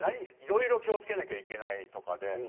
いろいろと気をつけないといけないとか。